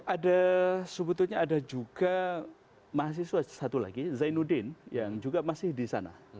ada sebetulnya ada juga mahasiswa satu lagi zainuddin yang juga masih di sana